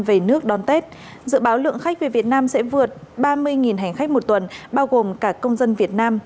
về nước đón tết dự báo lượng khách về việt nam sẽ vượt ba mươi hành khách một tuần bao gồm cả công dân việt nam